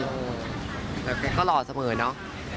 แบบก็หล่อเสมอเนอะ